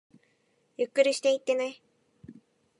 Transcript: ゆっくりしていってねー